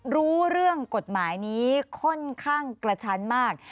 รู้เรื่องกฎหมายนี้ค่อนข้างกระชั้นมาก